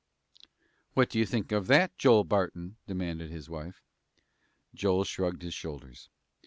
"What do you think of that, Joel Barton?" demanded his wife. Joel shrugged his shoulders.